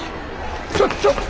ちょちょっと！